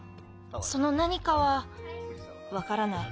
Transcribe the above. その何かはわからない